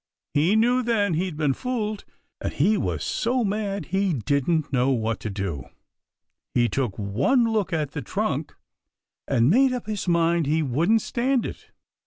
He knew then he'd been fooled, and he was so mad he didn't know what to do. He took one look at that trunk and made up his mind he wouldn't stand it.